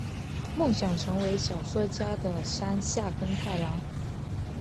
梦想成为小说家的山下耕太郎！